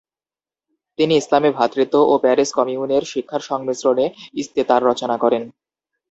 তিনি ইসলামী ভ্রাতৃত্ব ও প্যারিস কমিউনের শিক্ষার সংমিশ্রণে ইস্তেতার রচনা করেন।